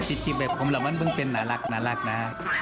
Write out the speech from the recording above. จิ๊ดจิ๊บให้ผมแล้วมันเป็นน่ารักน่ารักนะ